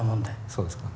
そうですか。